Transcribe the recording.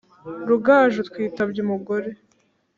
Rugaju twitabye umugobe